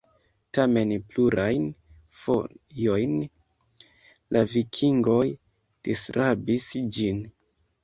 Tamen plurajn fojojn la vikingoj disrabis ĝin.